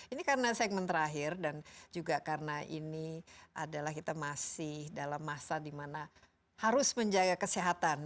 ini karena segmen terakhir dan juga karena ini adalah kita masih dalam masa dimana harus menjaga kesehatan